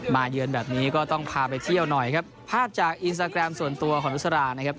เยือนแบบนี้ก็ต้องพาไปเที่ยวหน่อยครับภาพจากอินสตาแกรมส่วนตัวของนุษรานะครับ